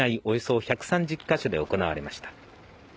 およそ１３０か所で行われました